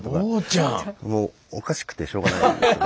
もうおかしくてしょうがない。